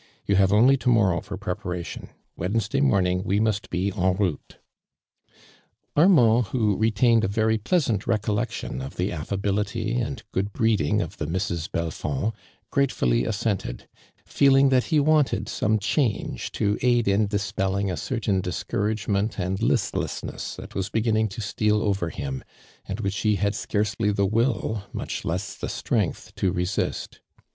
You have only to morrow for prepa ration. Wednesday morning we must be en routc.^^ Armand, who retained a very pleasant re collection of the art'ability and good breed ing of the Misses Belfond, gratemlly assent ed, feeling that he wanted some change to aid in dispelling a certain discouragement and listlessness that was beginning to steal over him, and which he had scarcely the will, much less the strength to resist.